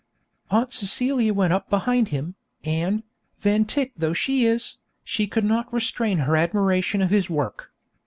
Aunt Celia went up behind him, and, Van Tyck though she is, she could not restrain her admiration of his work.